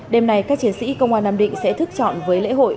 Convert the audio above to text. đêm nay các chiến sĩ công an nam định sẽ thức chọn với lễ hội